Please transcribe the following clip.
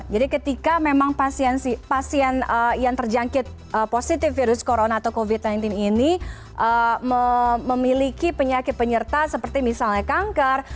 ketika memang pasien yang terjangkit positif virus corona atau covid sembilan belas ini memiliki penyakit penyerta seperti misalnya kanker